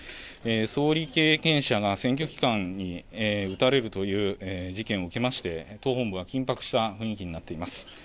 総理経験者が選挙期間に撃たれるという事件が起きまして、党本部は緊迫した雰囲気になっています。